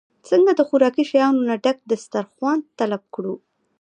څخه د خوراکي شيانو نه ډک دستارخوان طلب کړو